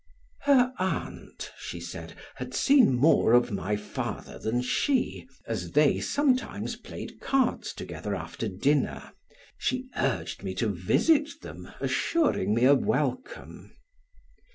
Her aunt, she said, had seen more of my father than she, as they sometimes played cards together after dinner. She urged me to visit them, assuring me a welcome.